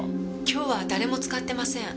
今日は誰も使ってません。